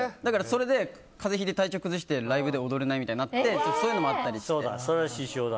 それで風邪ひいて体調崩してライブで踊れないみたいなそういうのもあったりして。